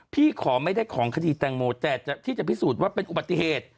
พี่ขอไม่ได้ของคดีแตงโมแต่ที่จะพิสูจน์ว่าเป็นอุบัติเหตุ